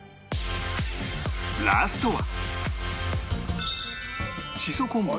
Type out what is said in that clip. ラストは